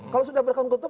kalau sudah berkongkotop